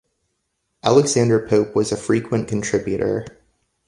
Alexander Pope was a frequent contributor.